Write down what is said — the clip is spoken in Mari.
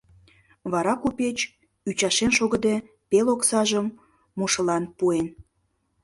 Вара купеч, ӱчашен шогыде, пел оксажым мушылан пуэн.